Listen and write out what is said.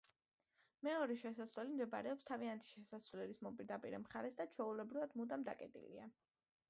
მეორე შესასვლელი მდებარეობს მთავარი შესასვლელის მოპირდაპირე მხარეს და ჩვეულებრივად მუდამ დაკეტილია.